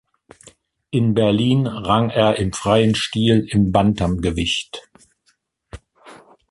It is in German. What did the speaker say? In Berlin rang er im freien Stil im Bantamgewicht.